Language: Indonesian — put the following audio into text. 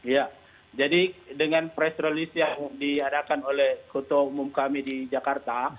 ya jadi dengan press release yang diadakan oleh ketua umum kami di jakarta